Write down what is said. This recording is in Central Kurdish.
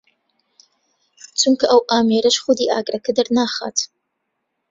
چونکە ئەو ئامێرەش خودی ئاگرەکە دەرناخات